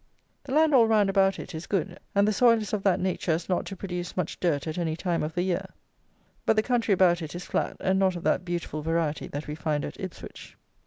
The land all round about it is good; and the soil is of that nature as not to produce much dirt at any time of the year; but the country about it is flat, and not of that beautiful variety that we find at Ipswich.